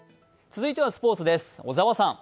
続いてはスポーツです。